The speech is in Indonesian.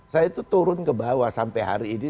saya itu turun ke bawah sampai hari ini